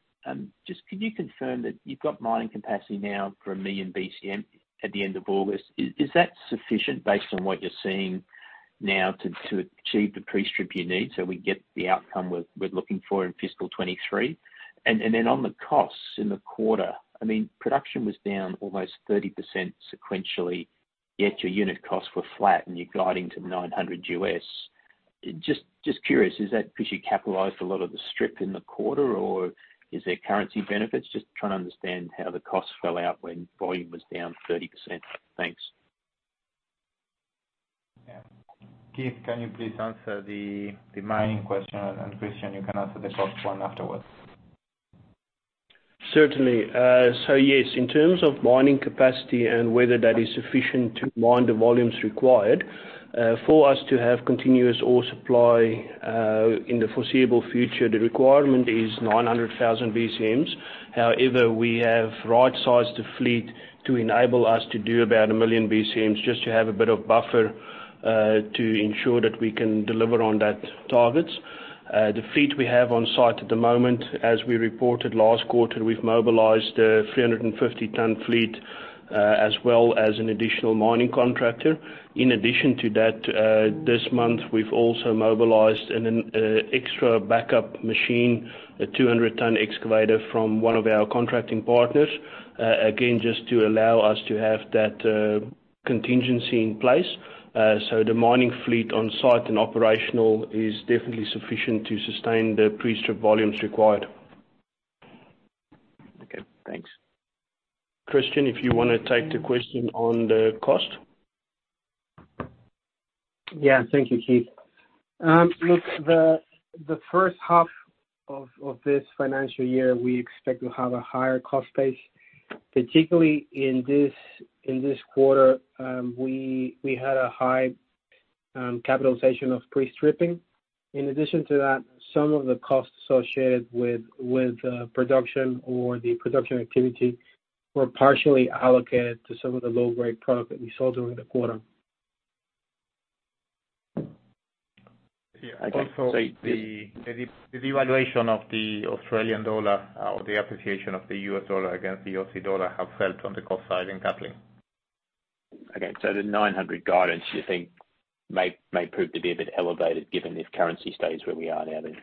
just could you confirm that you've got mining capacity now for 1 million BCM at the end of August. Is that sufficient based on what you're seeing now to achieve the pre-strip you need, so we get the outcome we're looking for in fiscal 2023? On the costs in the quarter, I mean, production was down almost 30% sequentially, yet your unit costs were flat and you're guiding to $900. Just curious, is that 'cause you capitalized a lot of the strip in the quarter, or is there currency benefits? Just trying to understand how the costs fell out when volume was down 30%. Thanks. Yeah. Keith, can you please answer the mining question? Christian, you can answer the cost one afterwards. Certainly. So yes, in terms of mining capacity and whether that is sufficient to mine the volumes required, for us to have continuous ore supply, in the foreseeable future, the requirement is 900,000 BCMs. However, we have right-sized the fleet to enable us to do about 1 million BCMs just to have a bit of buffer, to ensure that we can deliver on that targets. The fleet we have on site at the moment, as we reported last quarter, we've mobilized a 350-ton fleet, as well as an additional mining contractor. In addition to that, this month, we've also mobilized an extra backup machine, a 200-ton excavator from one of our contracting partners, again, just to allow us to have that contingency in place. The mining fleet on site and operational is definitely sufficient to sustain the pre-strip volumes required. Okay, thanks. Christian, if you wanna take the question on the cost. Yeah. Thank you, Keith. Look, the first half of this financial year, we expect to have a higher cost base, particularly in this quarter, we had a high capitalization of pre-stripping. In addition to that, some of the costs associated with production or the production activity were partially allocated to some of the low-grade product that we sold during the quarter. Yeah. Also the devaluation of the Australian dollar or the appreciation of the US dollar against the Aussie dollar have helped on the cost side in CapEx. Okay. The 900 guidance you think may prove to be a bit elevated given if currency stays where we are now then?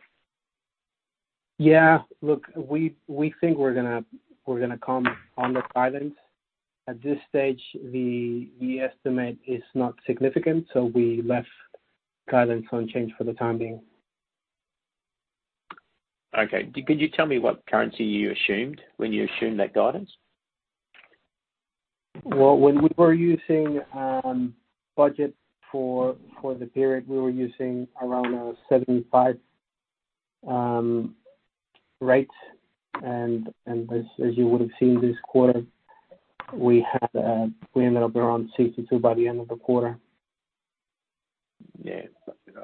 Yeah. Look, we think we're gonna come in on the guidance. At this stage, the estimate is not significant, so we left guidance unchanged for the time being. Okay. Could you tell me what currency you assumed when you assumed that guidance? Well, when we were using budget for the period, we were using around a 0.75 rate. As you would have seen this quarter, we ended up around 0.62 by the end of the quarter. Yeah.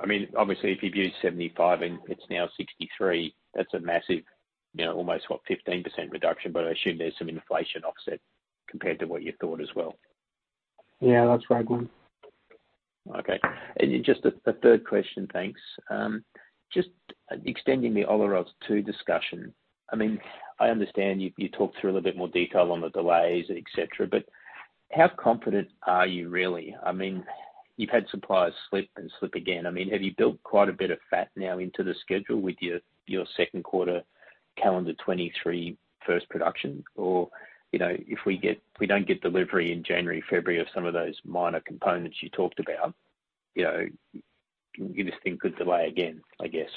I mean, obviously if you've used 75 and it's now 63, that's a massive, you know, almost what, 15% reduction, but I assume there's some inflation offset compared to what you thought as well. Yeah, that's right, Glyn. Okay. Just a third question, thanks. Just extending the Olaroz-2 discussion. I mean, I understand you talked through a little bit more detail on the delays, et cetera, but how confident are you really? I mean, you've had suppliers slip and slip again. I mean, have you built quite a bit of fat now into the schedule with your second quarter calendar 2023 first production? Or, you know, if we don't get delivery in January, February of some of those minor components you talked about, you know, this thing could delay again, I guess.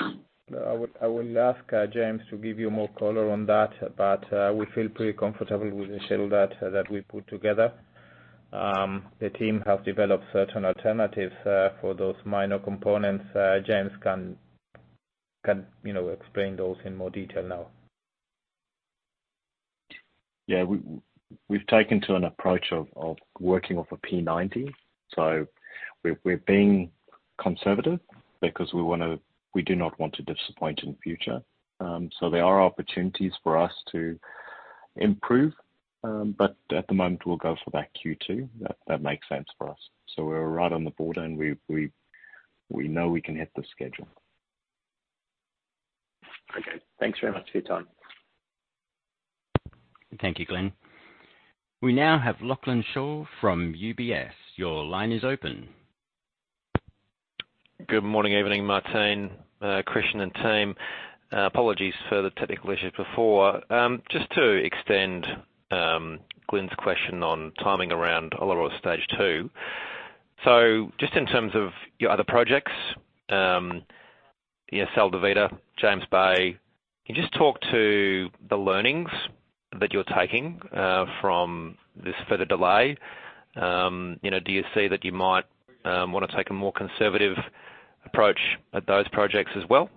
I will ask James to give you more color on that, but we feel pretty comfortable with the schedule that we've put together. The team have developed certain alternatives for those minor components. James can, you know, explain those in more detail now. We've taken an approach of working off a P90. We're being conservative because we do not want to disappoint in the future. There are opportunities for us to improve. At the moment we'll go for that Q2. That makes sense for us. We're right on the border and we know we can hit the schedule. Okay. Thanks very much for your time. Thank you, Glyn. We now have Lachlan Shaw from UBS. Your line is open. Good morning, evening, Martín, Christian and team. Apologies for the technical issues before. Just to extend Glyn's question on timing around Olaroz Stage 2. Just in terms of your other projects, yeah, Sal de Vida, James Bay, can you just talk to the learnings that you're taking from this further delay? You know, do you see that you might wanna take a more conservative approach at those projects as well?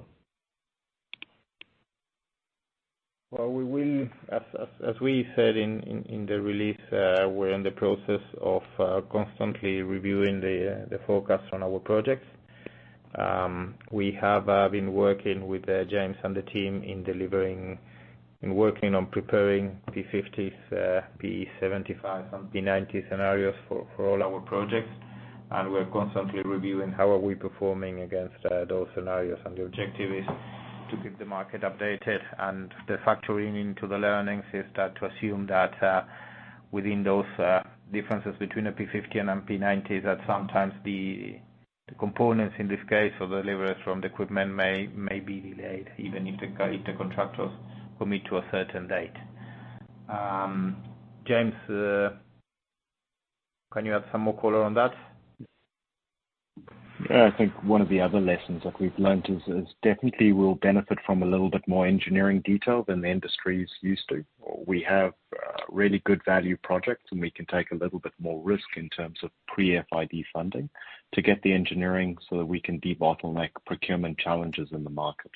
As we said in the release, we're in the process of constantly reviewing the forecast on our projects. We have been working with James and the team in delivering and working on preparing P50s, P75s and P90 scenarios for all our projects. We're constantly reviewing how we are performing against those scenarios. The objective is to keep the market updated. The factoring into the learnings is to assume that within those differences between a P50 and a P90, sometimes the components in this case or the deliveries from the equipment may be delayed even if the contractors commit to a certain date. James, can you add some more color on that? Yeah, I think one of the other lessons that we've learned is definitely we'll benefit from a little bit more engineering detail than the industry's used to. We have really good value projects, and we can take a little bit more risk in terms of pre-FID funding to get the engineering so that we can debottleneck procurement challenges in the market.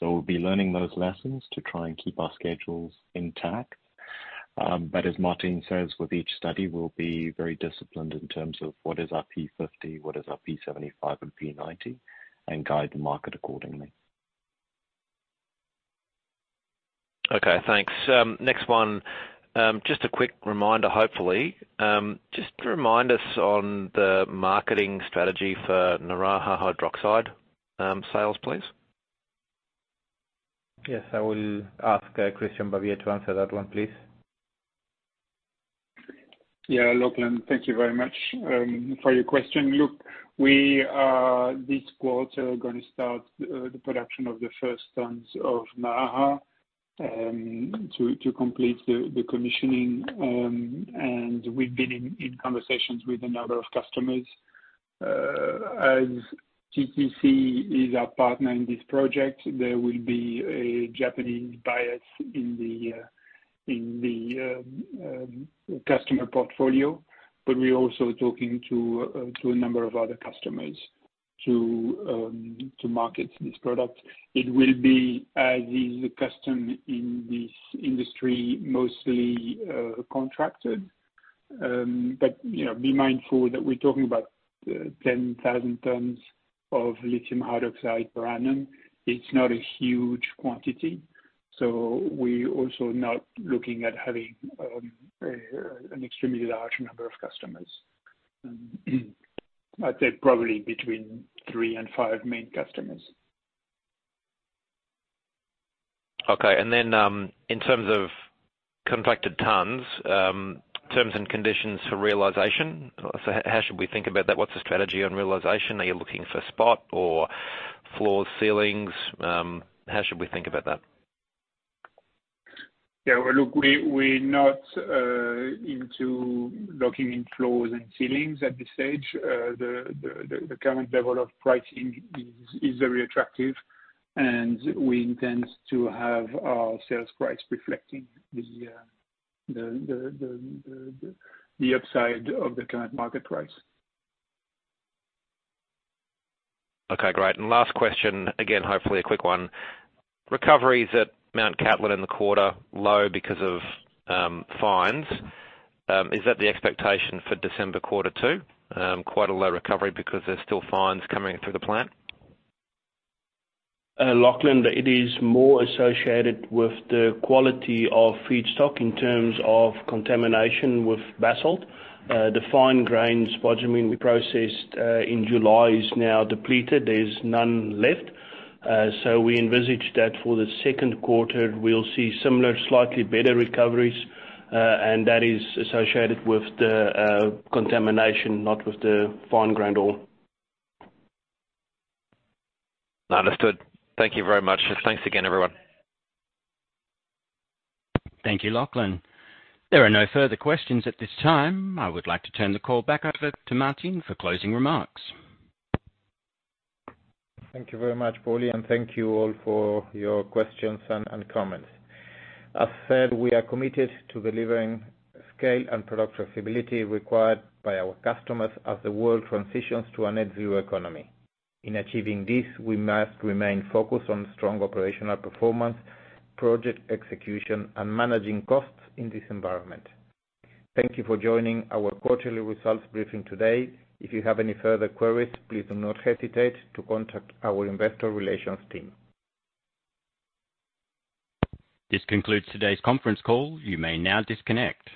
We'll be learning those lessons to try and keep our schedules intact. But as Martín says, with each study, we'll be very disciplined in terms of what is our P50, what is our P75 and P90, and guide the market accordingly. Okay, thanks. Next one. Just a quick reminder, hopefully. Just remind us on the marketing strategy for Naraha hydroxide sales, please. Yes, I will ask, Christian Barbier to answer that one, please. Yeah, Lachlan, thank you very much for your question. Look, we are this quarter gonna start the production of the first tons of Naraha to complete the commissioning. We've been in conversations with a number of customers. As TTC is our partner in this project, there will be a Japanese bias in the customer portfolio, but we're also talking to a number of other customers to market this product. It will be, as is the custom in this industry, mostly contracted. You know, be mindful that we're talking about 10,000 tons of lithium hydroxide per annum. It's not a huge quantity, so we're also not looking at having an extremely large number of customers. I'd say probably between three and five main customers. Okay. In terms of contracted tons, terms and conditions for realization, so how should we think about that? What's the strategy on realization? Are you looking for spot or floor ceilings? How should we think about that? Yeah. Well, look, we're not into locking in floors and ceilings at this stage. The current level of pricing is very attractive, and we intend to have our sales price reflecting the upside of the current market price. Okay, great. Last question, again, hopefully a quick one. Recoveries at Mt Cattlin in the quarter, low because of fines. Is that the expectation for December quarter two, quite a low recovery because there's still fines coming through the plant? Lachlan, it is more associated with the quality of feedstock in terms of contamination with basalt. The fine grain spodumene we processed in July is now depleted. There's none left. We envisage that for the second quarter, we'll see similar, slightly better recoveries, and that is associated with the contamination, not with the fine grain ore. Understood. Thank you very much. Thanks again, everyone. Thank you, Lachlan. There are no further questions at this time. I would like to turn the call back over to Martín for closing remarks. Thank you very much, Paulie, and thank you all for your questions and comments. As said, we are committed to delivering scale and product flexibility required by our customers as the world transitions to a net zero economy. In achieving this, we must remain focused on strong operational performance, project execution, and managing costs in this environment. Thank you for joining our quarterly results briefing today. If you have any further queries, please do not hesitate to contact our investor relations team. This concludes today's conference call. You may now disconnect.